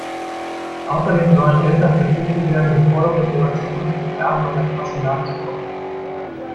Außerdem sollen Eltern verpflichtet werden, den Forderungen ihrer zukünftigen Erben an der Kasse nachzukommen.